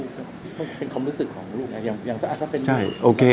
ต้องเป็นความรู้สึกของลูกเนี่ยอย่างจะอาจจะเป็นลูกเรา